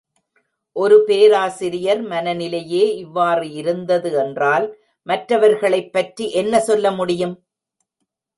ஒரு பேராசிரியர் மனநிலேயே இவ்வாறு இருந்தது என்றால், மற்றவர்களைப் பற்றி என்ன சொல்ல முடியும்?